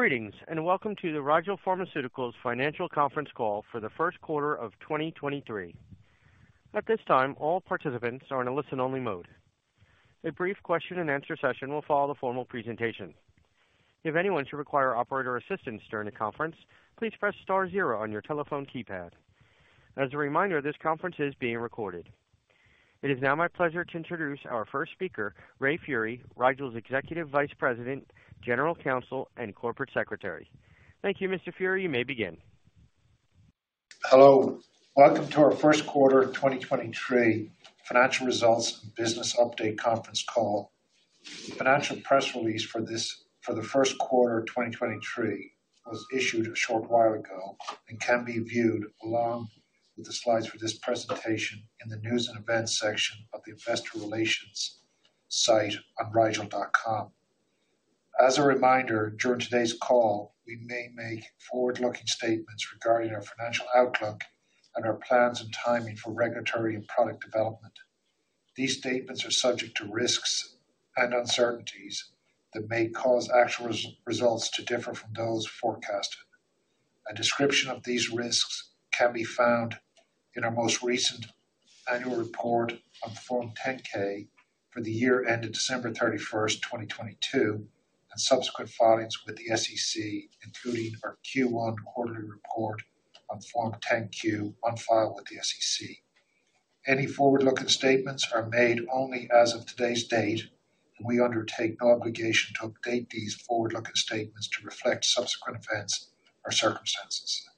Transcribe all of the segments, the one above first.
Greetings, welcome to the Rigel Pharmaceuticals Financial Conference Call for the Q1 of 2023. At this time, all participants are in a listen-only mode. A brief question-and-answer session will follow the formal presentation. If anyone should require operator assistance during the conference, please press star zero on your telephone keypad. As a reminder, this conference is being recorded. It is now my pleasure to introduce our first speaker, Ray Furey, Rigel's Executive Vice President, General Counsel, and Corporate Secretary. Thank you, Mr. Furey. You may begin. Hello. Welcome to our Q1 of 2023 financial results business update conference call. The financial press release for the Q1 of 2023 was issued a short while ago and can be viewed along with the slides for this presentation in the News and Events section of the investor relations site on rigel.com. As a reminder, during today's call, we may make forward-looking statements regarding our financial outlook and our plans and timing for regulatory and product development. These statements are subject to risks and uncertainties that may cause actual results to differ from those forecasted. A description of these risks can be found in our most recent annual report on Form 10-K for the year ended December 31st, 2022, and subsequent filings with the SEC, including our Q1 quarterly report on Form 10-Q on file with the SEC. Any forward-looking statements are made only as of today's date. We undertake no obligation to update these forward-looking statements to reflect subsequent events or circumstances.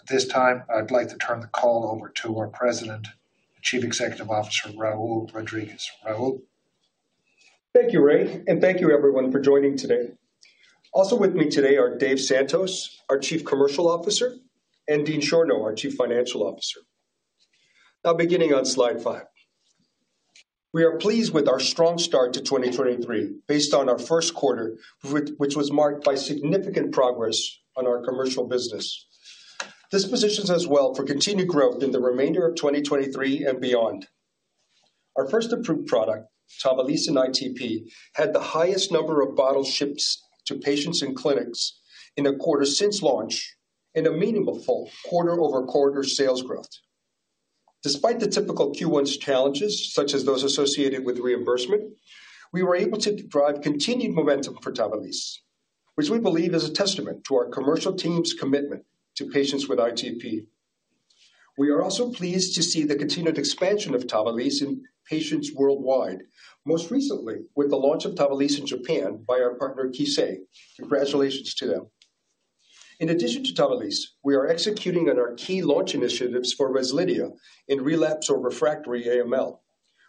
At this time, I'd like to turn the call over to our President and Chief Executive Officer, Raul Rodriguez. Raul. Thank you, Ray, thank you everyone for joining today. Also with me today are Dave Santos, our Chief Commercial Officer, and Dean Schorno, our Chief Financial Officer. Beginning on Slide five. We are pleased with our strong start to 2023 based on our Q1, which was marked by significant progress on our commercial business. This positions us well for continued growth in the remainder of 2023 and beyond. Our first approved product, TAVALISSE in ITP, had the highest number of bottles shipped to patients in clinics in a quarter since launch and a meaningful quarter-over-quarter sales growth. Despite the typical Q1's challenges, such as those associated with reimbursement, we were able to drive continued momentum for TAVALISSE, which we believe is a testament to our commercial team's commitment to patients with ITP. We are also pleased to see the continued expansion of TAVALISSE in patients worldwide, most recently with the launch of TAVALISSE in Japan by our partner, Kissei. Congratulations to them. In addition to TAVALISSE, we are executing on our key launch initiatives for REZLIDHIA in relapse or refractory AML.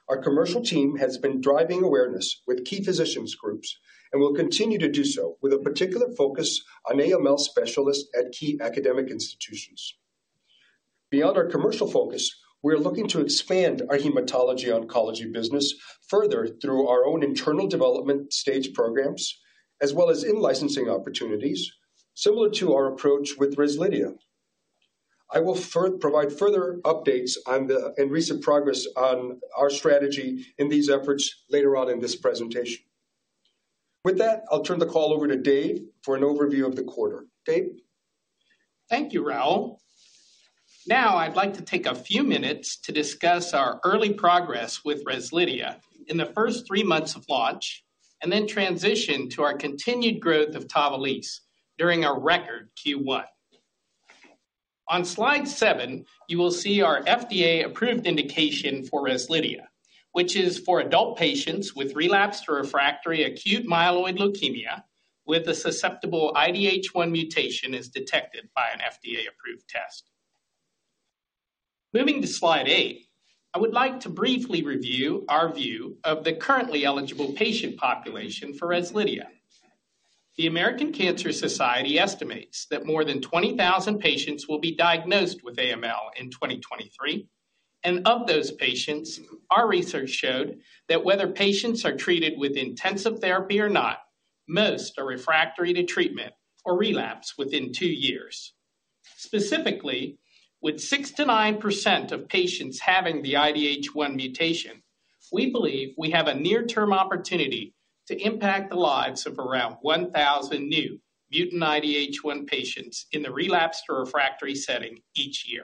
Our commercial team has been driving awareness with key physicians groups and will continue to do so with a particular focus on AML specialists at key academic institutions. Beyond our commercial focus, we're looking to expand our hematology oncology business further through our own internal development stage programs, as well as in licensing opportunities similar to our approach with REZLIDHIA. I will provide further updates on the recent progress on our strategy in these efforts later on in this presentation. With that, I'll turn the call over to Dave for an overview of the quarter. Dave. Thank you, Raul. I'd like to take a few minutes to discuss our early progress with REZLIDHIA in the first 3 months of launch, and then transition to our continued growth of TAVALISSE during our record Q1. On Slide seven, you will see our FDA-approved indication for REZLIDHIA, which is for adult patients with relapsed or refractory acute myeloid leukemia with a susceptible IDH1 mutation is detected by an FDA-approved test. Moving to Slide eight, I would like to briefly review our view of the currently eligible patient population for REZLIDHIA. The American Cancer Society estimates that more than 20,000 patients will be diagnosed with AML in 2023. Of those patients, our research showed that whether patients are treated with intensive therapy or not, most are refractory to treatment or relapse within 2 years. Specifically, with 6%-9% of patients having the IDH1 mutation, we believe we have a near-term opportunity to impact the lives of around 1,000 new mutant IDH1 patients in the relapsed or refractory setting each year.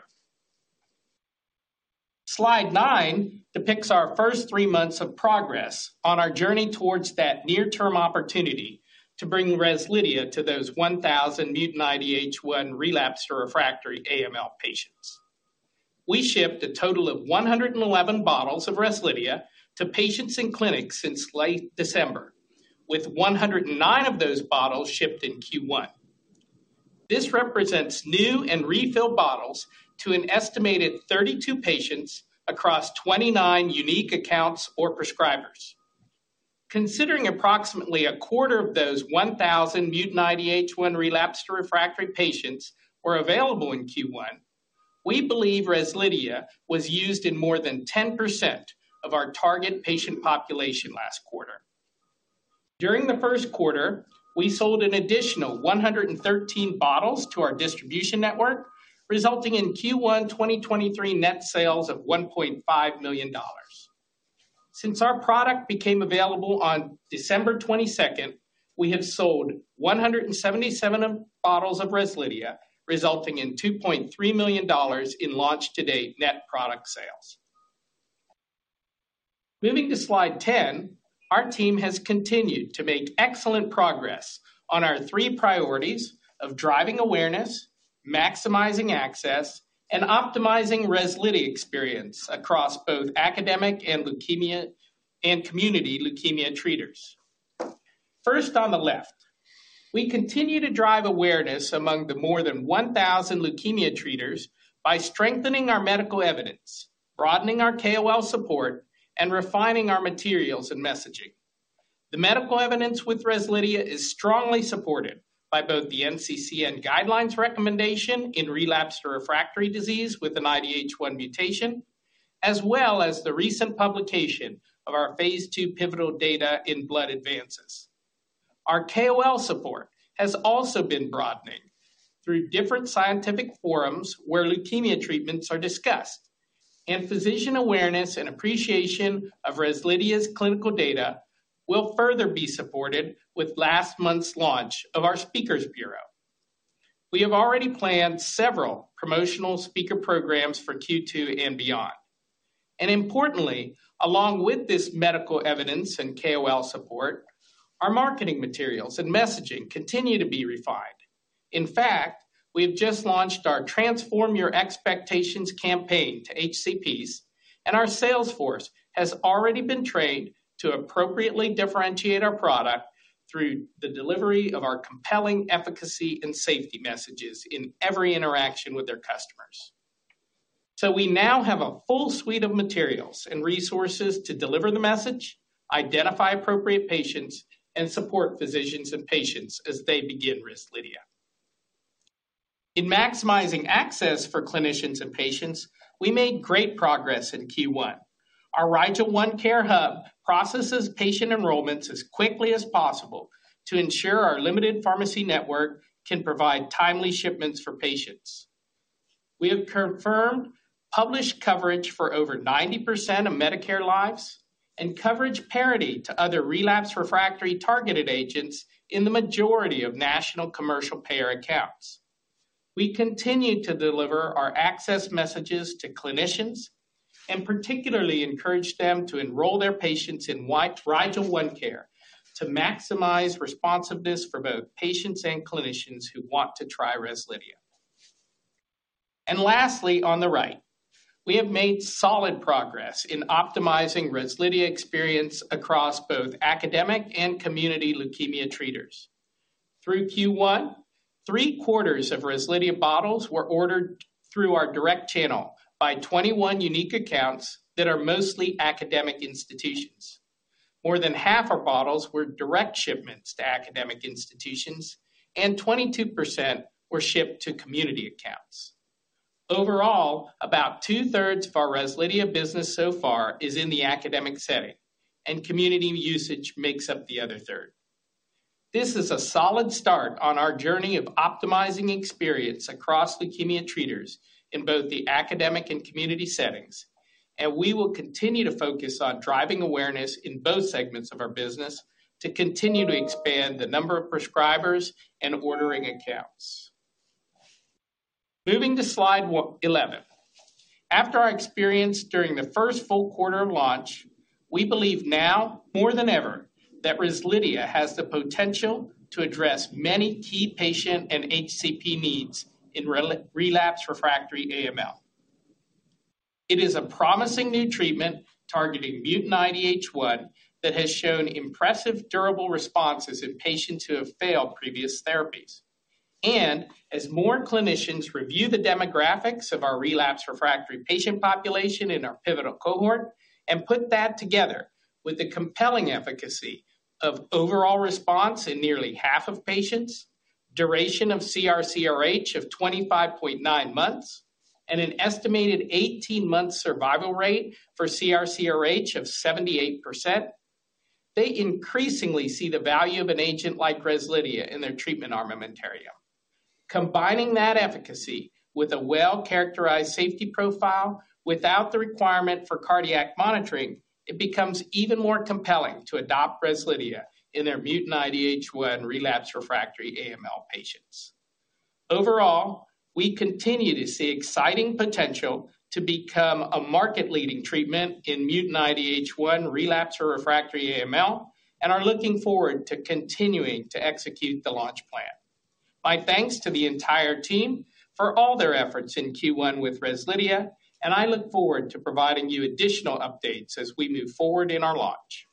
Slide nine depicts our first 3 months of progress on our journey towards that near-term opportunity to bring REZLIDHIA to those 1,000 mutant IDH1 relapsed or refractory AML patients. We shipped a total of 111 bottles of REZLIDHIA to patients in clinics since late December, with 109 of those bottles shipped in Q1. This represents new and refill bottles to an estimated 32 patients across 29 unique accounts or prescribers. Considering approximately a quarter of those 1,000 mutant IDH1 relapsed or refractory patients were available in Q1, we believe REZLIDHIA was used in more than 10% of our target patient population last quarter. During the Q1, we sold an additional 113 bottles to our distribution network, resulting in Q1 2023 net sales of $1.5 million. Since our product became available on December 22nd, we have sold 177 of bottles of REZLIDHIA, resulting in $2.3 million in launch-to-date net product sales. Moving to Slide 10, our team has continued to make excellent progress on our three priorities of driving awareness, maximizing access, and optimizing REZLIDHIA experience across both academic and community leukemia treaters. First on the left, we continue to drive awareness among the more than 1,000 leukemia treaters by strengthening our medical evidence, broadening our KOL support, and refining our materials and messaging. The medical evidence with REZLIDHIA is strongly supported by both the NCCN guidelines recommendation in relapsed refractory disease with an IDH1 mutation, as well as the recent publication of our phase 2 pivotal data in Blood Advances. Our KOL support has also been broadening through different scientific forums where leukemia treatments are discussed. Physician awareness and appreciation of REZLIDHIA's clinical data will further be supported with last month's launch of our speakers bureau. We have already planned several promotional speaker programs for Q2 and beyond. Importantly, along with this medical evidence and KOL support, our marketing materials and messaging continue to be refined. In fact, we have just launched our Transform Your Expectations campaign to HCPs, and our sales force has already been trained to appropriately differentiate our product through the delivery of our compelling efficacy and safety messages in every interaction with their customers. We now have a full suite of materials and resources to deliver the message, identify appropriate patients, and support physicians and patients as they begin REZLIDHIA. In maximizing access for clinicians and patients, we made great progress in Q1. Our RIGEL ONECARE processes patient enrollments as quickly as possible to ensure our limited pharmacy network can provide timely shipments for patients. We have confirmed published coverage for over 90% of Medicare lives and coverage parity to other relapsed refractory targeted agents in the majority of national commercial payer accounts. We continue to deliver our access messages to clinicians and particularly encourage them to enroll their patients in RIGEL ONECARE to maximize responsiveness for both patients and clinicians who want to try REZLIDHIA. Lastly, on the right, we have made solid progress in optimizing REZLIDHIA experience across both academic and community leukemia treaters. Through Q1, three-quarters of REZLIDHIA bottles were ordered through our direct channel by 21 unique accounts that are mostly academic institutions. More than half our bottles were direct shipments to academic institutions, and 22% were shipped to community accounts. Overall, about two-thirds of our REZLIDHIA business so far is in the academic setting, and community usage makes up the other third. This is a solid start on our journey of optimizing experience across leukemia treaters in both the academic and community settings. We will continue to focus on driving awareness in both segments of our business to continue to expand the number of prescribers and ordering accounts. Moving to Slide 11. After our experience during the first full quarter launch, we believe now more than ever that REZLIDHIA has the potential to address many key patient and HCP needs in relapse refractory AML. It is a promising new treatment targeting mutant IDH1 that has shown impressive durable responses in patients who have failed previous therapies. As more clinicians review the demographics of our relapse refractory patient population in our pivotal cohort and put that together with the compelling efficacy of overall response in nearly half of patients, duration of CRCRH of 25.9 months, and an estimated 18-month survival rate for CRCRH of 78%, they increasingly see the value of an agent like REZLIDHIA in their treatment armamentarium. Combining that efficacy with a well-characterized safety profile without the requirement for cardiac monitoring, it becomes even more compelling to adopt REZLIDHIA in their mutant IDH1 relapse refractory AML patients. Overall, we continue to see exciting potential to become a market-leading treatment in mutant IDH1 relapse or refractory AML and are looking forward to continuing to execute the launch plan. My thanks to the entire team for all their efforts in Q1 with REZLIDHIA. I look forward to providing you additional updates as we move forward in our launch.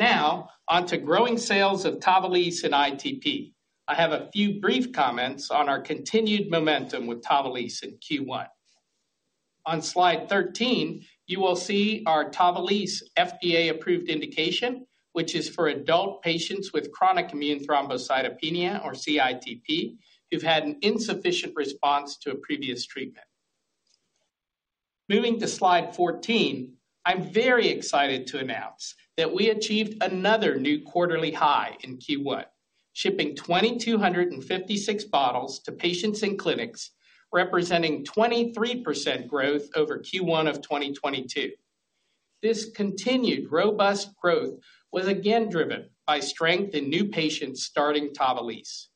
On to growing sales of TAVALISSE and ITP. I have a few brief comments on our continued momentum with TAVALISSE in Q1. On Slide 13, you will see our TAVALISSE FDA-approved indication, which is for adult patients with chronic immune thrombocytopenia, or CITP, who've had an insufficient response to a previous treatment. Moving to Slide 14, I'm very excited to announce that we achieved another new quarterly high in Q1, shipping 2,256 bottles to patients in clinics, representing 23% growth over Q1 of 2022. This continued robust growth was again driven by strength in new patients starting TAVALISSE.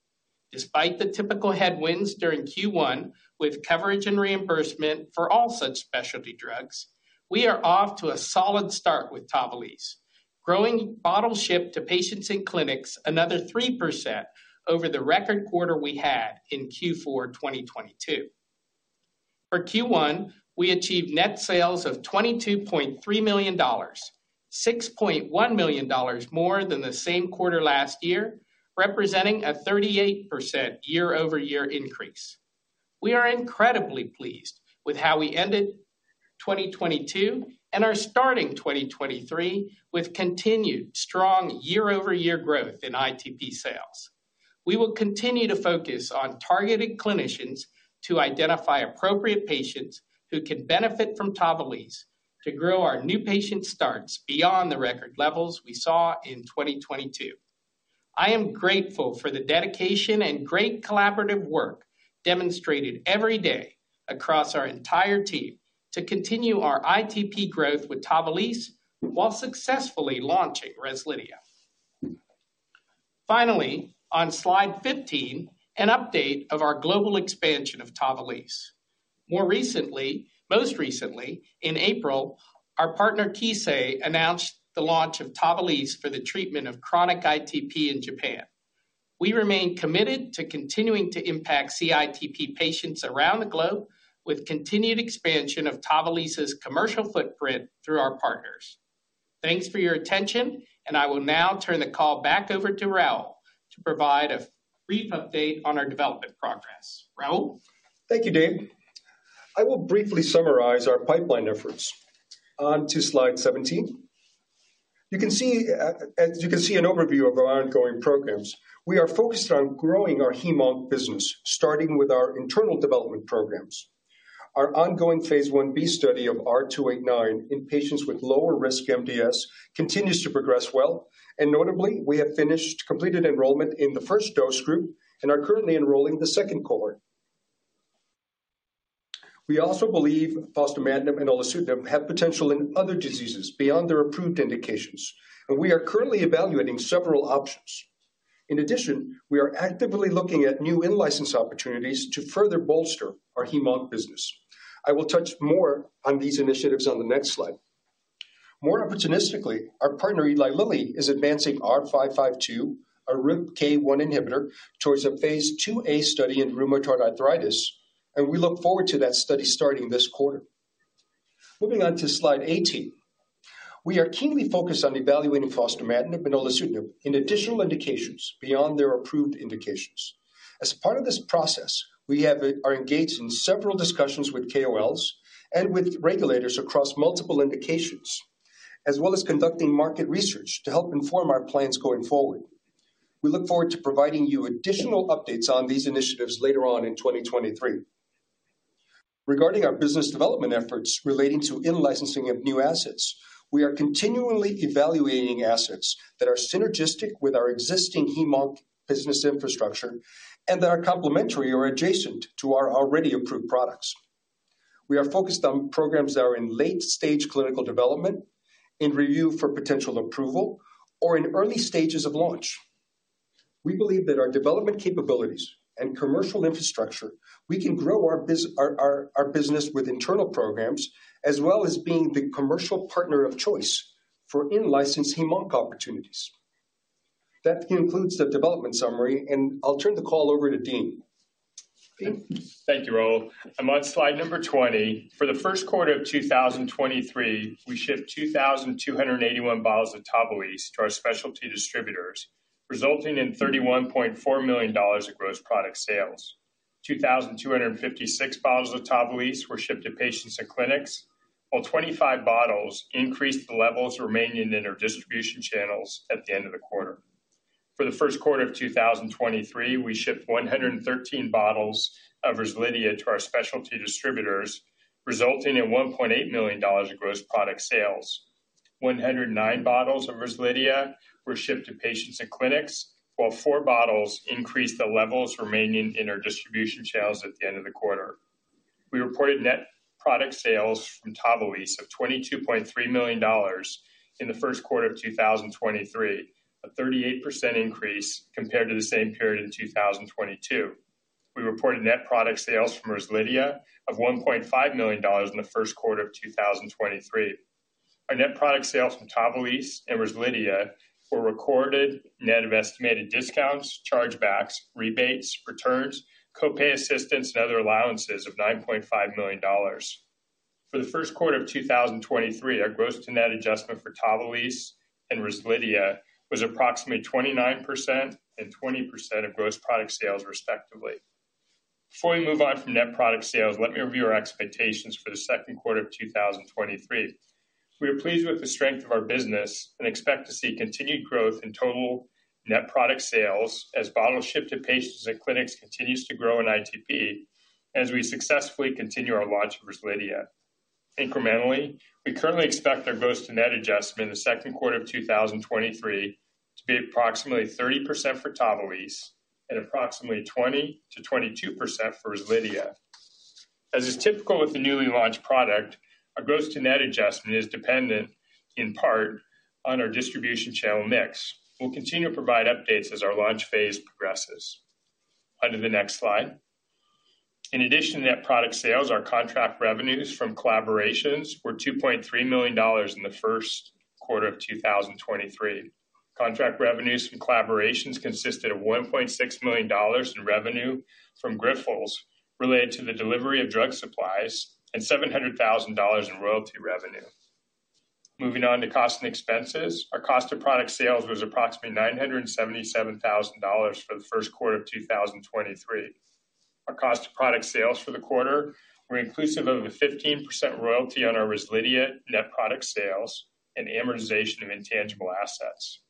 Despite the typical headwinds during Q1 with coverage and reimbursement for all such specialty drugs, we are off to a solid start with TAVALISSE, growing bottles shipped to patients in clinics another 3% over the record quarter we had in Q4 2022. For Q1, we achieved net sales of $22.3 million. $6.1 million more than the same quarter last year, representing a 38% year-over-year increase. We are incredibly pleased with how we ended 2022 and are starting 2023 with continued strong year-over-year growth in ITP sales. We will continue to focus on targeting clinicians to identify appropriate patients who can benefit from TAVALISSE to grow our new patient starts beyond the record levels we saw in 2022. I am grateful for the dedication and great collaborative work demonstrated every day across our entire team to continue our ITP growth with TAVALISSE while successfully launching REZLIDHIA. On Slide 15, an update of our global expansion of TAVALISSE. Most recently, in April, our partner Kissei announced the launch of TAVALISSE for the treatment of chronic ITP in Japan. We remain committed to continuing to impact CITP patients around the globe with continued expansion of TAVALISSE's commercial footprint through our partners. Thanks for your attention, I will now turn the call back over to Raul to provide a brief update on our development progress. Raul. Thank you, Dean. I will briefly summarize our pipeline efforts. Onto Slide 17. You can see an overview of our ongoing programs. We are focused on growing our heme-onc business, starting with our internal development programs. Our ongoing phase 1b study of R289 in patients with lower-risk MDS continues to progress well, and notably, we have completed enrollment in the first dose group and are currently enrolling the second cohort. We also believe fostamatinib and olutasidenib have potential in other diseases beyond their approved indications, and we are currently evaluating several options. In addition, we are actively looking at new in-license opportunities to further bolster our heme-onc business. I will touch more on these initiatives on the next slide. More opportunistically, our partner, Eli Lilly, is advancing R552, a RIPK1 inhibitor, towards a Phase 2A study in rheumatoid arthritis. We look forward to that study starting this quarter. Moving on to Slide 18. We are keenly focused on evaluating fostamatinib and olutasidenib in additional indications beyond their approved indications. As part of this process, we are engaged in several discussions with KOLs and with regulators across multiple indications, as well as conducting market research to help inform our plans going forward. We look forward to providing you additional updates on these initiatives later on in 2023. Regarding our business development efforts relating to in-licensing of new assets, we are continually evaluating assets that are synergistic with our existing heme-onc business infrastructure and that are complementary or adjacent to our already approved products. We are focused on programs that are in late-stage clinical development, in review for potential approval, or in early stages of launch. We believe that our development capabilities and commercial infrastructure, we can grow our business with internal programs, as well as being the commercial partner of choice for in-license heme-onc opportunities. That concludes the development summary. I'll turn the call over to Dean. Dean? Thank you, Raul. I'm on Slide number 20. For the Q1 of 2023, we shipped 2,281 bottles of TAVALISSE to our specialty distributors, resulting in $31.4 million of gross product sales. 2,256 bottles of TAVALISSE were shipped to patients and clinics, while 25 bottles increased the levels remaining in our distribution channels at the end of the quarter. For the Q1 of 2023, we shipped 113 bottles of REZLIDHIA to our specialty distributors, resulting in $1.8 million of gross product sales. 109 bottles of REZLIDHIA were shipped to patients and clinics, while 4 bottles increased the levels remaining in our distribution channels at the end of the quarter. We reported net product sales from TAVALISSE of $22.3 million in the Q1 of 2023, a 38% increase compared to the same period in 2022. We reported net product sales from REZLIDHIA of $1.5 million in the Q1 of 2023. Our net product sales from TAVALISSE and REZLIDHIA were recorded net of estimated discounts, chargebacks, rebates, returns, co-pay assistance, and other allowances of $9.5 million. For the Q1 of 2023, our gross to net adjustment for TAVALISSE and REZLIDHIA was approximately 29% and 20% of gross product sales, respectively. Before we move on from net product sales, let me review our expectations for the Q2 of 2023. We are pleased with the strength of our business and expect to see continued growth in total net product sales as bottles shipped to patients and clinics continues to grow in ITP as we successfully continue our launch of REZLIDHIA. Incrementally, we currently expect our gross to net adjustment in the Q2 of 2023 to be approximately 30% for TAVALISSE and approximately 20%-22% for REZLIDHIA. As is typical with the newly launched product, our gross to net adjustment is dependent in part on our distribution channel mix. We'll continue to provide updates as our launch phase progresses. On to the next slide. In addition to net product sales, our contract revenues from collaborations were $2.3 million in the Q1 of 2023. Contract revenues from collaborations consisted of $1.6 million in revenue from Grifols related to the delivery of drug supplies and $700,000 in royalty revenue. Moving on to cost and expenses. Our cost of product sales was approximately $977,000 for the Q1 of 2023. Our cost of product sales for the quarter were inclusive of a 15% royalty on our REZLIDHIA net product sales and amortization of intangible assets.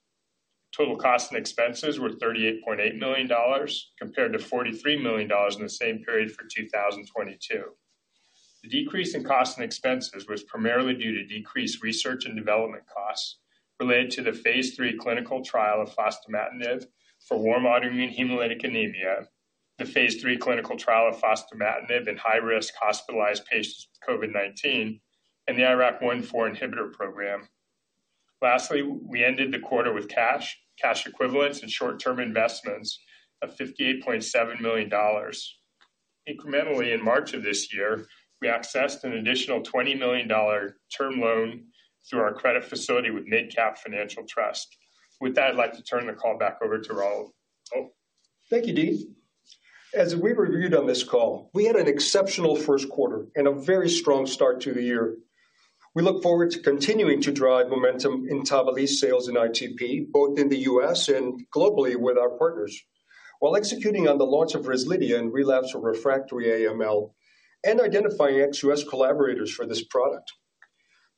Total cost and expenses were $38.8 million compared to $43 million in the same period for 2022. The decrease in costs and expenses was primarily due to decreased research and development costs related to the phase 3 clinical trial of fostamatinib for warm autoimmune hemolytic anemia, the phase 3 clinical trial of fostamatinib in high-risk hospitalized patients with COVID-19, and the IRAK1/4 inhibitor program. We ended the quarter with cash equivalents and short-term investments of $58.7 million. Incrementally, in March of this year, we accessed an additional $20 million term loan through our credit facility with MidCap Financial Trust. With that, I'd like to turn the call back over to Raul. Thank you, Dean. As we reviewed on this call, we had an exceptional Q1 and a very strong start to the year. We look forward to continuing to drive momentum in TAVALISSE sales in ITP, both in the U.S. and globally with our partners, while executing on the launch of REZLIDHIA in relapse or refractory AML and identifying ex-U.S. collaborators for this product.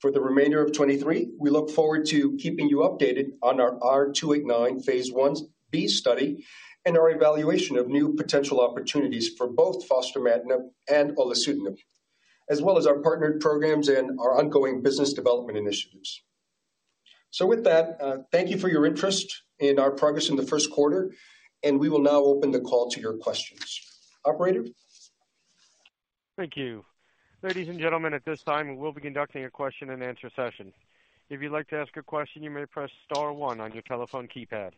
For the remainder of 2023, we look forward to keeping you updated on our R289 phase 1b study and our evaluation of new potential opportunities for both fostamatinib and olutasidenib, as well as our partnered programs and our ongoing business development initiatives. With that, thank you for your interest in our progress in the Q1, and we will now open the call to your questions. Operator? Thank you. Ladies and gentlemen, at this time, we'll be conducting a question-and-answer session. If you'd like to ask a question, you may press star one on your telephone keypad.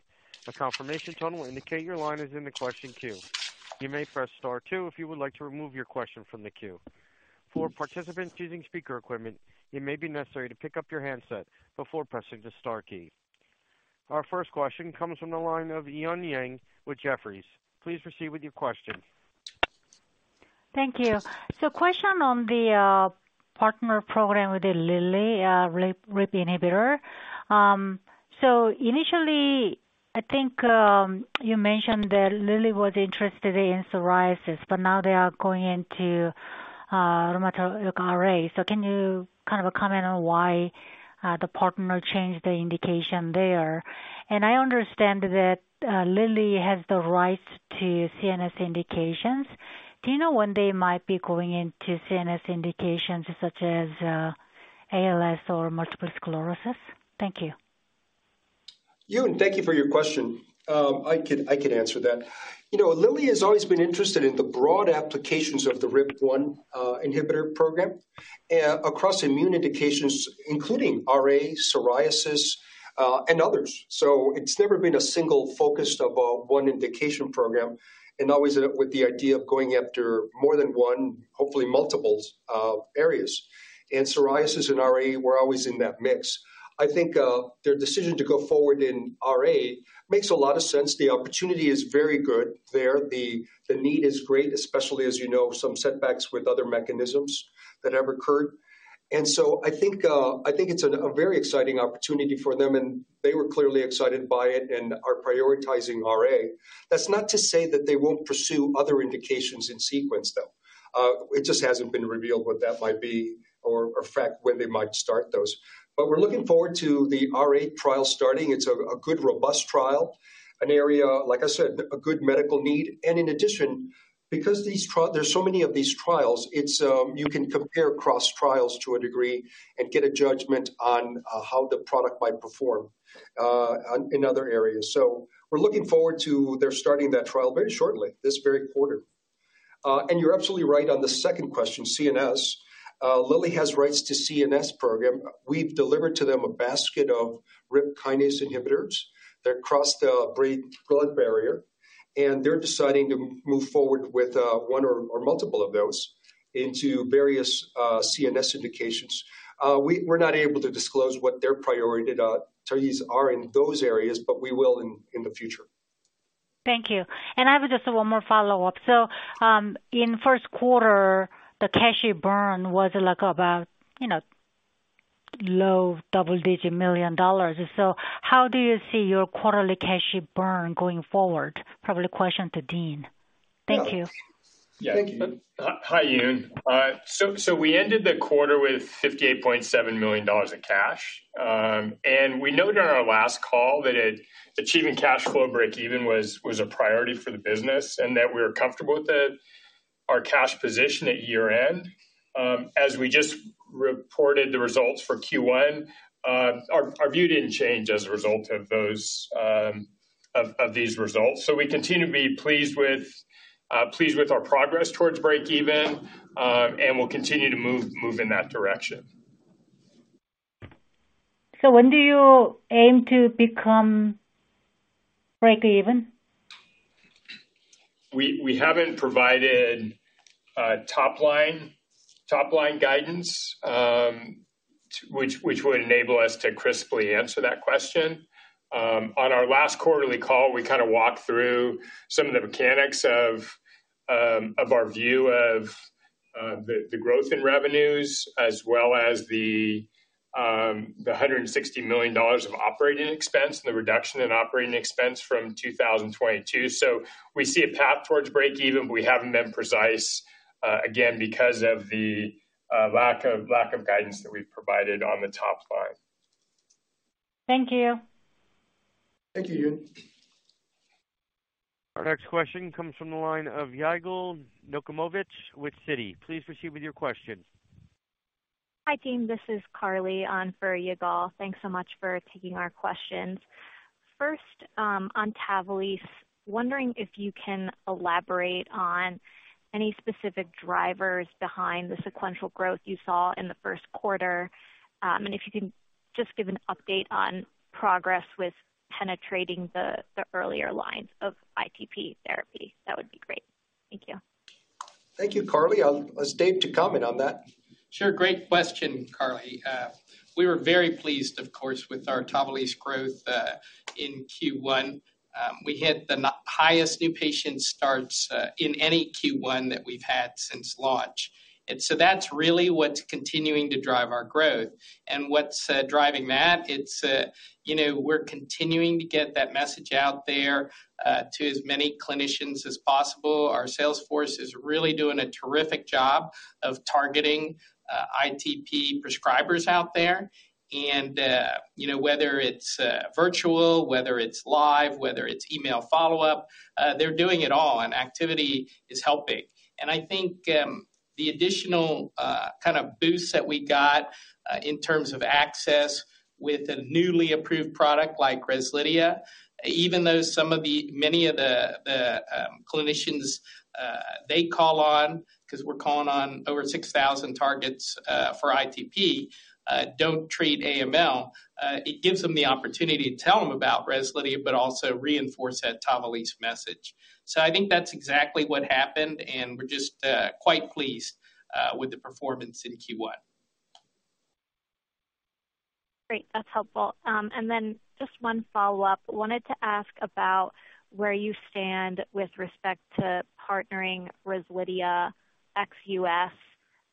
A confirmation tone will indicate your line is in the question queue. You may press star two if you would like to remove your question from the queue. For participants using speaker equipment, it may be necessary to pick up your handset before pressing the star key. Our first question comes from the line of Eun Yang with Jefferies. Please proceed with your question. Thank you. Question on the partner program with the Lilly RIPK1 inhibitor. Initially, I think, you mentioned that Lilly was interested in psoriasis, but now they are going into rheumatoid RA. Can you kind of comment on why the partner changed the indication there? I understand that Lilly has the rights to CNS indications. Do you know when they might be going into CNS indications such as ALS or multiple sclerosis? Thank you. Yoon, thank you for your question. I can answer that. You know, Lilly has always been interested in the broad applications of the RIPK1 inhibitor program across immune indications, including RA, psoriasis, and others. It's never been a single focused about one indication program and always end up with the idea of going after more than one, hopefully multiples, areas. Psoriasis and RA were always in that mix. I think their decision to go forward in RA makes a lot of sense. The opportunity is very good there. The need is great, especially as you know, some setbacks with other mechanisms that have occurred. I think it's a very exciting opportunity for them, and they were clearly excited by it and are prioritizing RA. That's not to say that they won't pursue other indications in sequence, though. It just hasn't been revealed what that might be or in fact, when they might start those. We're looking forward to the RA trial starting. It's a good, robust trial. An area, like I said, a good medical need. In addition, because these there's so many of these trials, it's. You can compare cross trials to a degree and get a judgment on how the product might perform in other areas. We're looking forward to their starting that trial very shortly, this very quarter. You're absolutely right on the second question, CNS. Lilly has rights to CNS program. We've delivered to them a basket of RIP kinase inhibitors that cross the brain-blood barrier. They're deciding to move forward with one or multiple of those into various CNS indications. We're not able to disclose what their priorities are in those areas. We will in the future. Thank you. I have just one more follow-up. In first quarter, the cash burn was like about, you know, $low double-digit million. How do you see your quarterly cash burn going forward? Probably a question to Dean. Thank you. Yeah. Thank you. Hi, Yoon. We ended the quarter with $58.7 million in cash. We noted on our last call that achieving cash flow breakeven was a priority for the business and that we were comfortable with it. Our cash position at year-end, as we just reported the results for Q1, our view didn't change as a result of those of these results. We continue to be pleased with our progress towards breakeven, and we'll continue to move in that direction. When do you aim to become breakeven? We haven't provided top line guidance, which would enable us to crisply answer that question. On our last quarterly call, we kinda walked through some of the mechanics of our view of the growth in revenues as well as the $160 million of operating expense and the reduction in operating expense from 2022. We see a path towards breakeven. We haven't been precise, again, because of the lack of guidance that we've provided on the top line. Thank you. Thank you, Eun. Our next question comes from the line of Yigal Nochomovitz with Citi. Please proceed with your question. Hi, team. This is Carly on for Yigal. Thanks so much for taking our questions. First, on TAVALISSE, wondering if you can elaborate on any specific drivers behind the sequential growth you saw in the first quarter. If you can just give an update on progress with penetrating the earlier lines of ITP therapy. That would be great. Thank you. Thank you, Carly. I'll ask Dave to comment on that. Sure. Great question, Carly. We were very pleased, of course, with our TAVALISSE growth in Q1. We hit the n-highest new patient starts in any Q1 that we've had since launch. That's really what's continuing to drive our growth. What's driving that, it's, you know, we're continuing to get that message out there to as many clinicians as possible. Our sales force is really doing a terrific job of targeting ITP prescribers out there. You know, whether it's virtual, whether it's live, whether it's email follow-up, they're doing it all. Activity is helping. I think, the additional, kind of boost that we got, in terms of access with a newly approved product like REZLIDHIA, even though some of the, many of the clinicians, they call on, 'cause we're calling on over 6,000 targets, for ITP, don't treat AML, it gives them the opportunity to tell them about REZLIDHIA but also reinforce that TAVALISSE message. I think that's exactly what happened, and we're just, quite pleased, with the performance in Q1. Great. That's helpful. Just one follow-up. Wanted to ask about where you stand with respect to partnering REZLIDHIA ex US,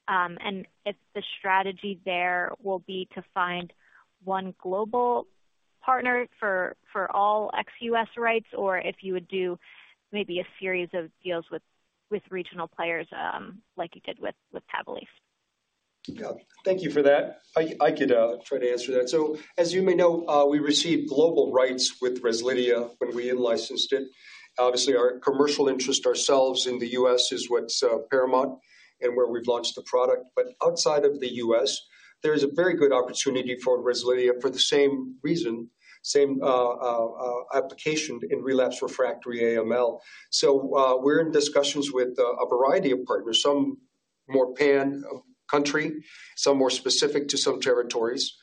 and if the strategy there will be to find one global partner for all ex US rights, or if you would do maybe a series of deals with regional players, like you did with TAVALISSE. Yeah. Thank you for that. I could try to answer that. As you may know, we received global rights with REZLIDHIA when we in-licensed it. Obviously, our commercial interest ourselves in the U.S. is what's paramount and where we've launched the product. Outside of the U.S., there's a very good opportunity for REZLIDHIA for the same reason, same application in relapsed/refractory AML. We're in discussions with a variety of partners, some more pan country, some more specific to some territories,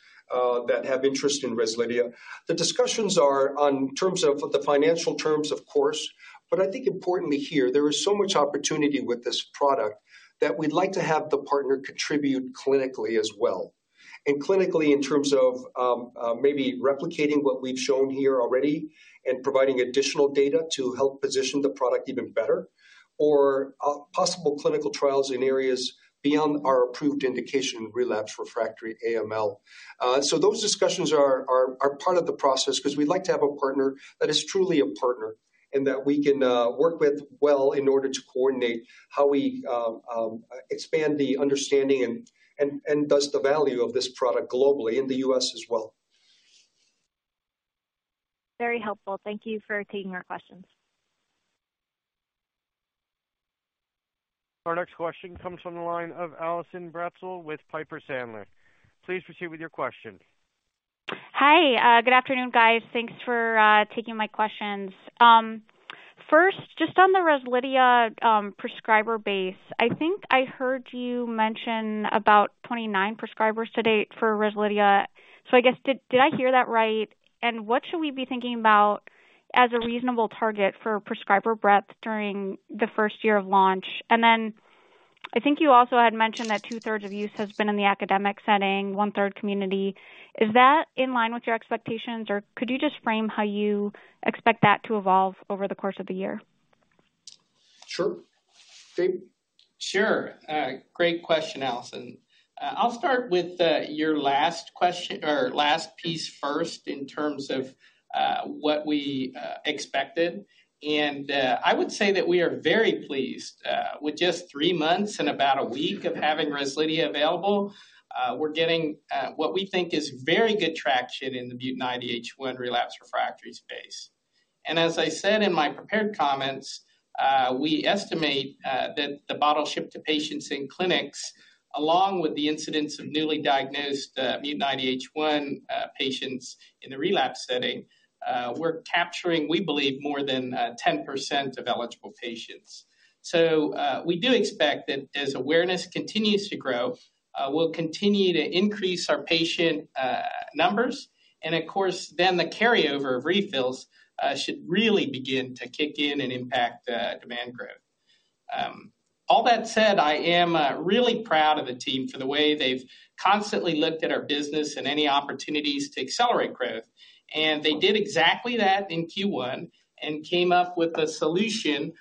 that have interest in REZLIDHIA. The discussions are on terms of the financial terms, of course, but I think importantly here, there is so much opportunity with this product that we'd like to have the partner contribute clinically as well. Clinically in terms of, maybe replicating what we've shown here already and providing additional data to help position the product even better or possible clinical trials in areas beyond our approved indication, relapsed refractory AML. Those discussions are part of the process 'cause we'd like to have a partner that is truly a partner and that we can work with well in order to coordinate how we expand the understanding and thus the value of this product globally in the U.S. as well. Very helpful. Thank you for taking our questions. Our next question comes from the line of Allison Bratzel with Piper Sandler. Please proceed with your question. Hi. Good afternoon, guys. Thanks for taking my questions. First, just on the REZLIDHIA prescriber base. I think I heard you mention about 29 prescribers to date for REZLIDHIA. I guess did I hear that right? What should we be thinking about as a reasonable target for prescriber breadth during the first year of launch? Then I think you also had mentioned that 2/3 of use has been in the academic setting, 1/3 community. Is that in line with your expectations, or could you just frame how you expect that to evolve over the course of the year? Sure. Dave? Sure. great question, Allison. I'll start with your last piece first in terms of what we expected. I would say that we are very pleased with just 3 months and about a week of having REZLIDHIA available. We're getting what we think is very good traction in the IDH1 relapsed refractory space. As I said in my prepared comments, we estimate that the bottles shipped to patients in clinics, along with the incidents of newly diagnosed mutant IDH1 patients in the relapse setting, we're capturing, we believe, more than 10% of eligible patients. We do expect that as awareness continues to grow, we'll continue to increase our patient numbers. Of course, then the carryover of refills should really begin to kick in and impact the demand growth. All that said, I am really proud of the team for the way they've constantly looked at our business and any opportunities to accelerate growth. They did exactly that in Q1 and came up with a solution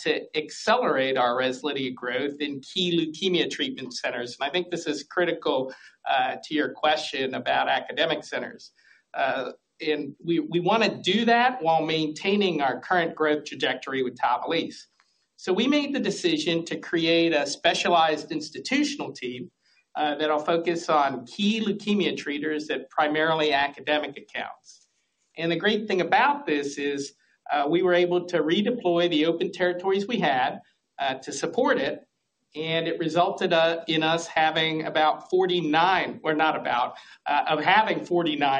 to accelerate our REZLIDHIA growth in key leukemia treatment centers. I think this is critical to your question about academic centers. We wanna do that while maintaining our current growth trajectory with TAVALISSE. We made the decision to create a specialized institutional team that'll focus on key leukemia treaters at primarily academic accounts. The great thing about this is, we were able to redeploy the open territories we had to support it, and it resulted in us having 49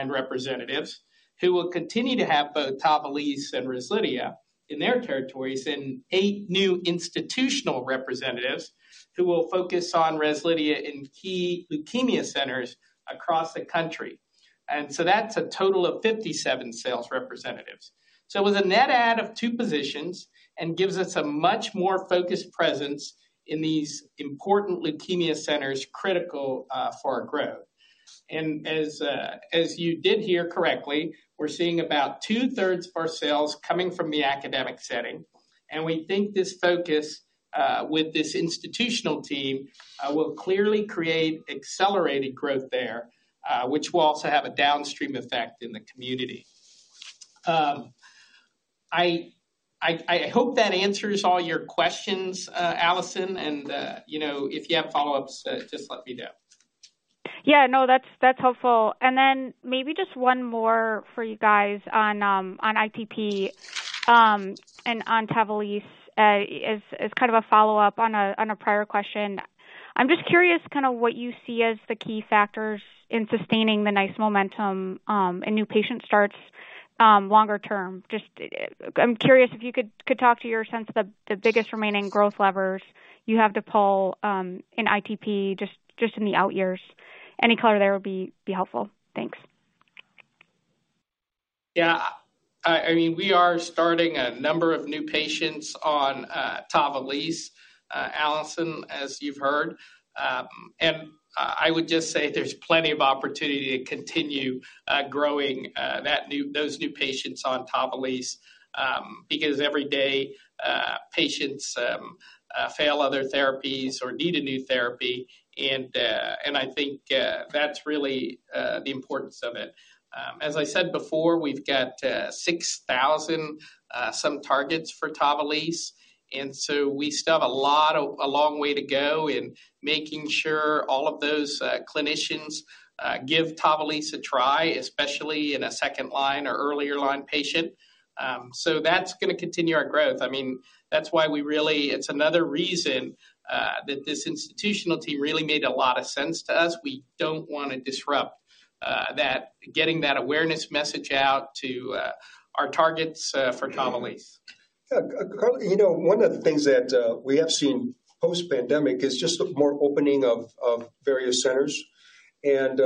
representatives who will continue to have both TAVALISSE and REZLIDHIA in their territories, and eight new institutional representatives who will focus on REZLIDHIA in key leukemia centers across the country. That's a total of 57 sales representatives. It was a net add of two positions and gives us a much more focused presence in these important leukemia centers critical for our growth. As you did hear correctly, we're seeing about two-thirds of our sales coming from the academic setting. We think this focus, with this institutional team, will clearly create accelerated growth there, which will also have a downstream effect in the community. I hope that answers all your questions, Allison, and, you know, if you have follow-ups, just let me know. Yeah, no, that's helpful. Maybe just one more for you guys on ITP and on TAVALISSE as kind of a follow-up on a prior question. I'm just curious kind of what you see as the key factors in sustaining the nice momentum and new patient starts longer term. Just I'm curious if you could talk to your sense of the biggest remaining growth levers you have to pull in ITP in the out years. Any color there would be helpful. Thanks. I mean, we are starting a number of new patients on TAVALIS, Allison, as you've heard. I would just say there's plenty of opportunity to continue growing those new patients on TAVALIS, because every day, patients fail other therapies or need a new therapy and I think that's really the importance of it. As I said before, we've got 6,000 some targets for TAVALIS, we still have a long way to go in making sure all of those clinicians give TAVALIS a try, especially in a second line or earlier line patient. That's gonna continue our growth. I mean, that's why we really. It's another reason that this institutional team really made a lot of sense to us. We don't wanna disrupt, that, getting that awareness message out to our targets, for TAVALISSE. Yeah. You know, one of the things that we have seen post-pandemic is just more opening of various centers and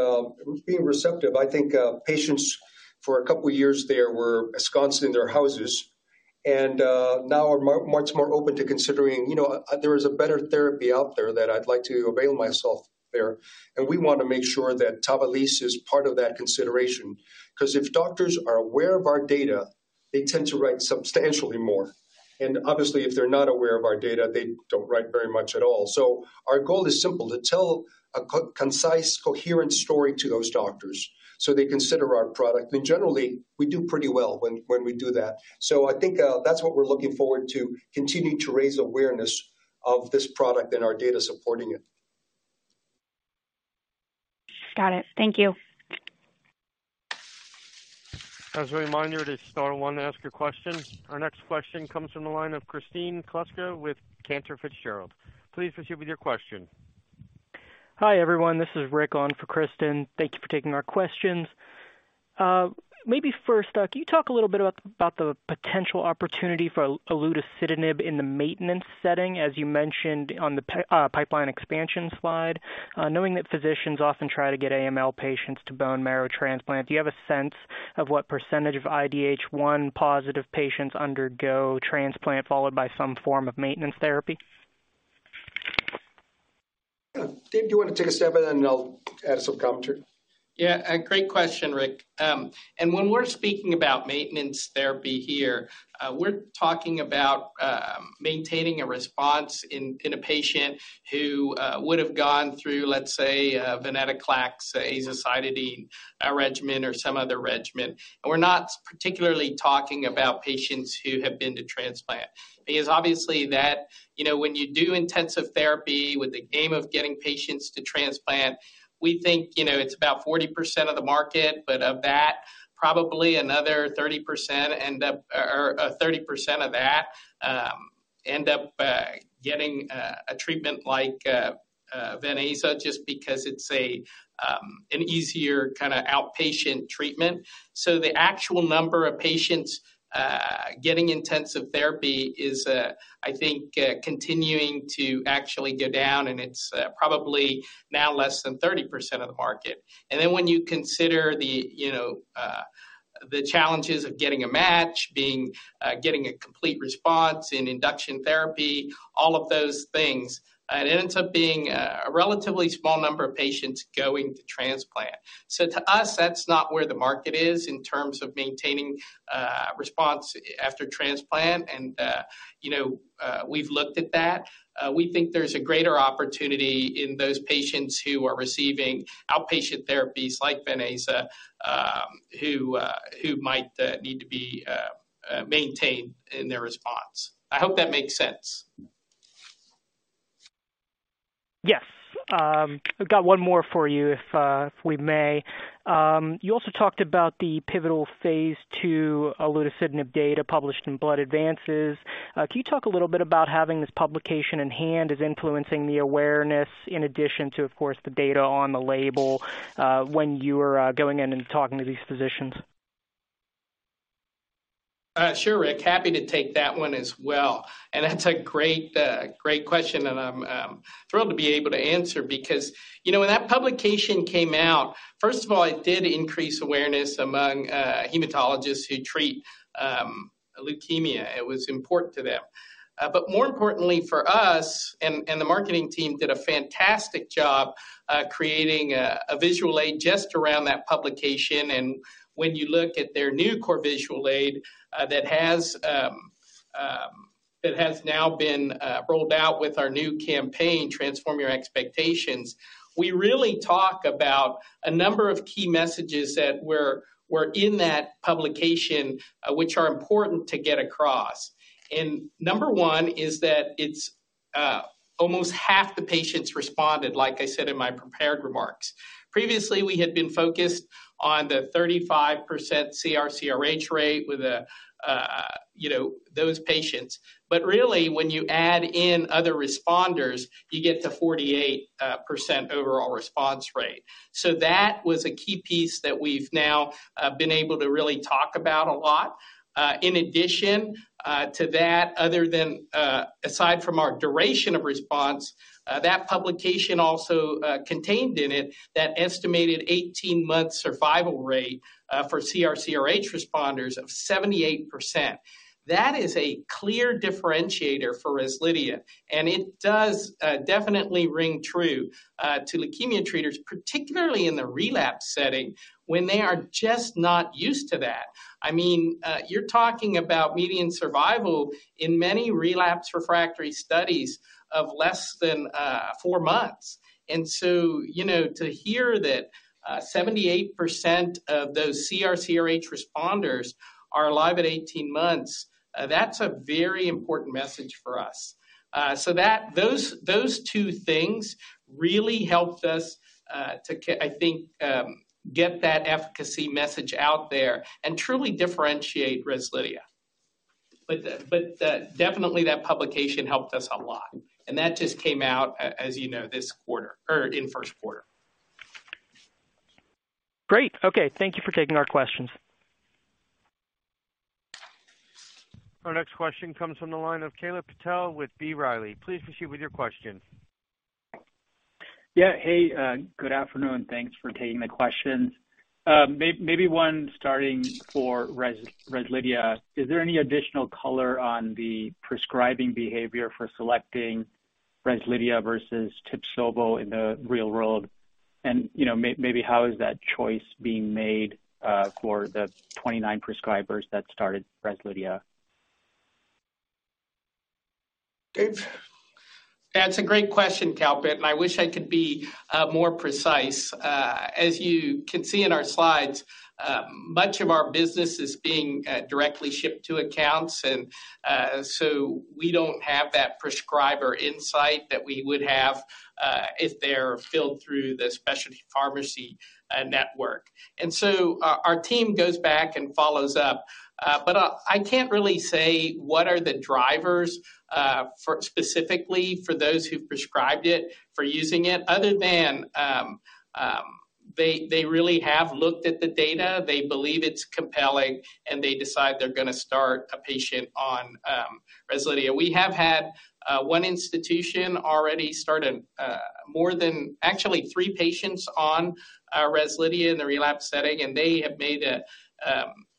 being receptive. I think patients for a couple years there were ensconced in their houses and now are much more open to considering, you know, there is a better therapy out there that I'd like to avail myself there. We wanna make sure that TAVALISSE is part of that consideration because if doctors are aware of our data, they tend to write substantially more. Obviously, if they're not aware of our data, they don't write very much at all. Our goal is simple: to tell a concise, coherent story to those doctors so they consider our product. Generally, we do pretty well when we do that. I think that's what we're looking forward to, continuing to raise awareness of this product and our data supporting it. Got it. Thank you. As a reminder to star one to ask a question. Our next question comes from the line of Kristen Kluska with Cantor Fitzgerald. Please proceed with your question. Hi, everyone. This is Rick on for Kristen Kluska. Thank you for taking our questions. Maybe first, can you talk a little bit about the potential opportunity for olutasidenib in the maintenance setting, as you mentioned on the pipeline expansion slide? Knowing that physicians often try to get AML patients to bone marrow transplant, do you have a sense of what % of IDH1 positive patients undergo transplant followed by some form of maintenance therapy? Yeah. Dave, do you wanna take a stab at it, and I'll add some commentary? Yeah. A great question, Rick. When we're speaking about maintenance therapy here, we're talking about maintaining a response in a patient who would have gone through, let's say, a venetoclax, azacitidine, regimen or some other regimen. We're not particularly talking about patients who have been to transplant. Obviously that, you know, when you do intensive therapy with the aim of getting patients to transplant, we think, you know, it's about 40% of the market, but of that, probably another 30% end up getting a treatment like venetoclax just because it's an easier kinda outpatient treatment. The actual number of patients getting intensive therapy is, I think, continuing to actually go down, and it's probably now less than 30% of the market. When you consider the challenges of getting a match, being getting a complete response in induction therapy, all of those things, it ends up being a relatively small number of patients going to transplant. To us, that's not where the market is in terms of maintaining response after transplant. We've looked at that. We think there's a greater opportunity in those patients who are receiving outpatient therapies like venetoclax, who might need to be maintained in their response. I hope that makes sense. Yes. I've got one more for you if we may. You also talked about the pivotal phase 2 olutasidenib data published in Blood Advances. Can you talk a little bit about having this publication in hand as influencing the awareness in addition to, of course, the data on the label, when you're going in and talking to these physicians? Sure, Rick. Happy to take that one as well. That's a great question, and I'm thrilled to be able to answer because, you know, when that publication came out, first of all, it did increase awareness among hematologists who treat leukemia. It was important to them. More importantly for us, the marketing team did a fantastic job creating a visual aid just around that publication. When you look at their new core visual aid, that has now been rolled out with our new campaign, Transform Your Expectations, we really talk about a number of key messages that were in that publication, which are important to get across. Number 1 is that it's almost half the patients responded, like I said in my prepared remarks. Previously, we had been focused on the 35% CRCRH rate with, you know, those patients. Really, when you add in other responders, you get the 48% overall response rate. That was a key piece that we've now been able to really talk about a lot. In addition to that, other than aside from our duration of response, that publication also contained in it that estimated 18-month survival rate for CRCRH responders of 78%. That is a clear differentiator for REZLIDHIA, and it does definitely ring true to leukemia treaters, particularly in the relapse setting, when they are just not used to that. I mean, you're talking about median survival in many relapse refractory studies of less than 4 months. you know, to hear that, 78% of those CRCRH responders are alive at 18 months, that's a very important message for us. So those two things really helped us, I think, get that efficacy message out there and truly differentiate REZLIDHIA. But definitely that publication helped us a lot, and that just came out, as you know, this quarter or in Q1. Great. Okay. Thank you for taking our questions. Our next question comes from the line of Kalpit Patel with B. Riley. Please proceed with your question. Yeah. Hey, good afternoon. Thanks for taking the questions. Maybe one starting for REZLIDHIA. Is there any additional color on the prescribing behavior for selecting REZLIDHIA versus TIBSOVO in the real world? You know, maybe how is that choice being made for the 29 prescribers that started REZLIDHIA? That's a great question, Kalpit, and I wish I could be more precise. As you can see in our slides, much of our business is being directly shipped to accounts. So we don't have that prescriber insight that we would have if they're filled through the specialty pharmacy network. So our team goes back and follows up, but I can't really say what are the drivers specifically for those who've prescribed it for using it, other than they really have looked at the data. They believe it's compelling, and they decide they're gonna start a patient on REZLIDHIA. We have had one institution already started more than actually three patients on REZLIDHIA in the relapse setting. They have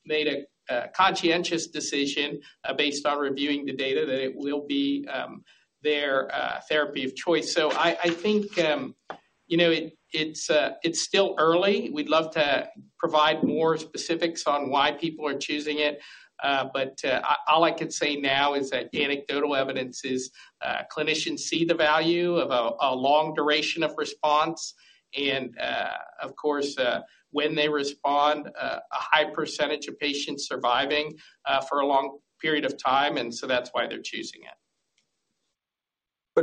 made a conscientious decision based on reviewing the data that it will be their therapy of choice. I think, you know, it it's still early. We'd love to provide more specifics on why people are choosing it. All I can say now is that anecdotal evidence is clinicians see the value of a long duration of response and of course, when they respond, a high percentage of patients surviving for a long period of time. That's why they're choosing it.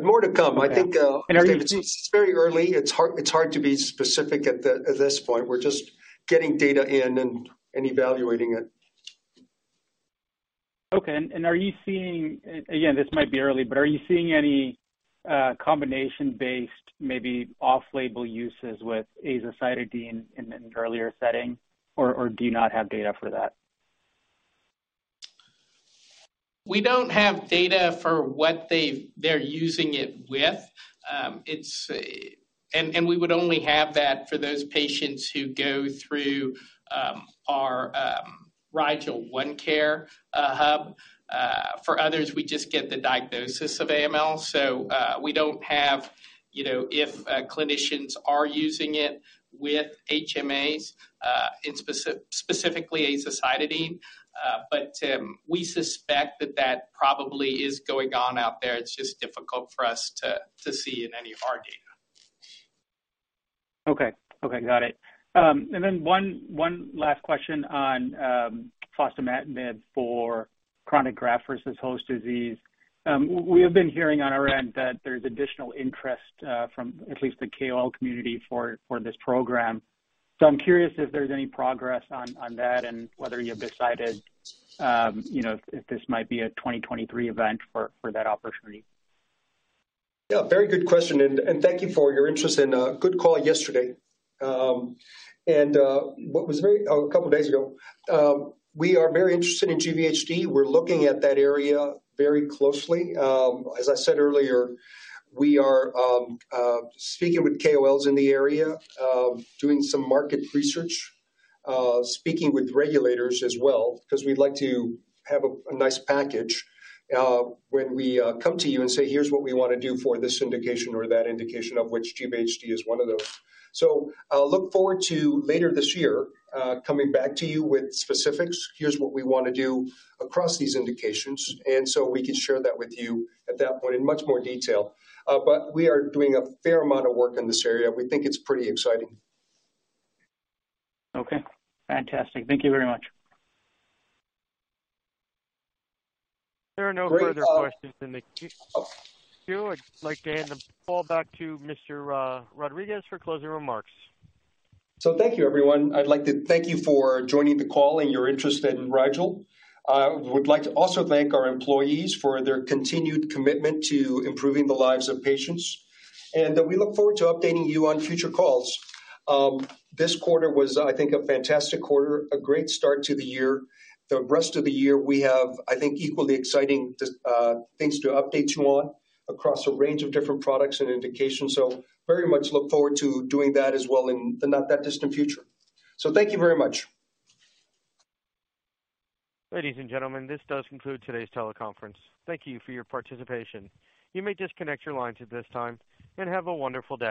More to come. I think it's very early. It's hard to be specific at this point. We're just getting data in and evaluating it. Okay. Are you seeing... Again, this might be early, but are you seeing any combination based, maybe off-label uses with azacitidine in an earlier setting, or do you not have data for that? We don't have data for what they've, they're using it with. It's. We would only have that for those patients who go through our RIGEL ONECARE hub. For others, we just get the diagnosis of AML. We don't have, you know, if clinicians are using it with HMAs, specifically azacitidine. We suspect that that probably is going on out there. It's just difficult for us to see in any of our data. Okay. Okay, got it. One last question on fostamatinib for chronic graft versus host disease. We have been hearing on our end that there's additional interest from at least the KOL community for this program. I'm curious if there's any progress on that and whether you've decided, you know, if this might be a 2023 event for that opportunity? Yeah, very good question, thank you for your interest and good call yesterday. A couple of days ago. We are very interested in GVHD. We're looking at that area very closely. As I said earlier, we are speaking with KOLs in the area, doing some market research, speaking with regulators as well, 'cause we'd like to have a nice package when we come to you and say, "Here's what we wanna do for this indication or that indication," of which GVHD is one of those. I'll look forward to later this year, coming back to you with specifics. Here's what we wanna do across these indications, we can share that with you at that point in much more detail. We are doing a fair amount of work in this area. We think it's pretty exciting. Okay. Fantastic. Thank you very much. There are no further questions in the queue. I'd like to hand the call back to Mr. Rodriguez for closing remarks. Thank you, everyone. I'd like to thank you for joining the call and your interest in Rigel. I would like to also thank our employees for their continued commitment to improving the lives of patients. We look forward to updating you on future calls. This quarter was, I think, a fantastic quarter, a great start to the year. The rest of the year, we have, I think, equally exciting things to update you on across a range of different products and indications. Very much look forward to doing that as well in the not that distant future. Thank you very much. Ladies and gentlemen, this does conclude today's teleconference. Thank you for your participation. You may disconnect your lines at this time. Have a wonderful day.